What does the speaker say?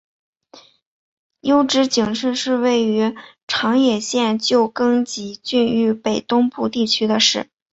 筱之井市是位于长野县旧更级郡域北东部地区的市。